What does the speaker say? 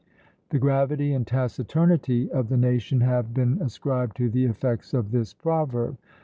The gravity and taciturnity of the nation have been ascribed to the effects of this proverb.